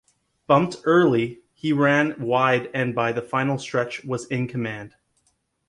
Bumped early, he ran wide and by the final stretch was in command.